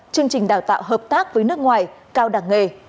chương trình đào tạo hợp tác với nước ngoài cao đẳng nghề